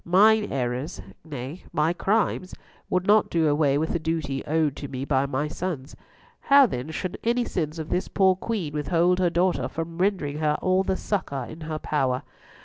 Mine errors, nay, my crimes, would not do away with the duty owed to me by my sons. How, then, should any sins of this poor Queen withhold her daughter from rendering her all the succour in her power?